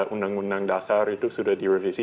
undang undang dasar itu sudah direvisi